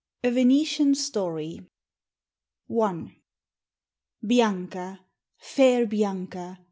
A VENETIAN STORY. I. Bianca! fair Bianca!